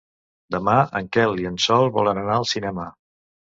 Demà en Quel i en Sol volen anar al cinema.